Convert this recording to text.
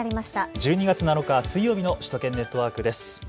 １２月７日、水曜日の首都圏ネットワークです。